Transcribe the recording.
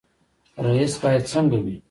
رئیس باید څنګه وي؟